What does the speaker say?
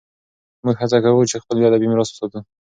موږ هڅه کوو چې خپل ادبي میراث وساتو.